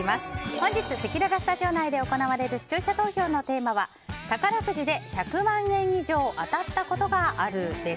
本日、せきららスタジオ内で行われる視聴者投票のテーマは宝くじで１００万円以上当たったことがあるです。